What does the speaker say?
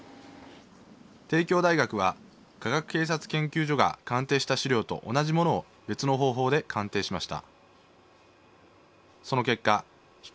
帝京大学は科学警察研究所が鑑定した試料と同じものを別の方法で鑑定しました。